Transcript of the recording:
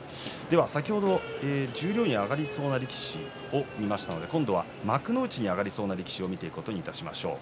先ほど十両に上がりそうな力士を見ましたので今度は幕内に上がりそうな力士を見ていくことにいたしましょう。